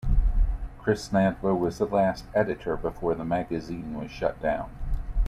Chris Nadler was the last editor before the magazine was shut down.